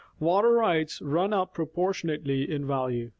Water rights run up proportionately in value.